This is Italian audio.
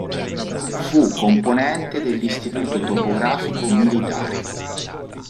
Fu componente dell'Istituto topografico militare.